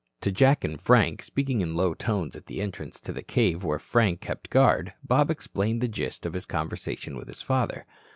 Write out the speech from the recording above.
To Jack and Frank, speaking in low tones at the entrance to the cave where Frank kept guard, Bob explained the gist of his conversation with his father.